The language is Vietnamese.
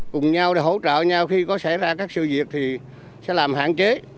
cùng nhau để hỗ trợ nhau khi có xảy ra các sự việc thì sẽ làm hạn chế